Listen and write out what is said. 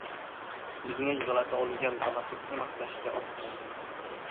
Bizni yigʻlata olgan dramaturgni maqtashga odatlanganmiz.